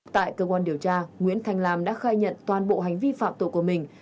tại cơ quan điều tra nguyễn thanh lam đã khai nhận toàn bộ hành vi phạm tội của mình